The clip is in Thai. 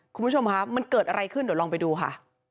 คุณผู้ชมคะมันเกิดอะไรขึ้นเดี๋ยวลองไปดูค่ะ